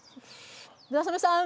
村雨さん。